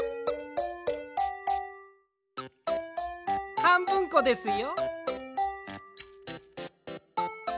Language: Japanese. はんぶんこですよ。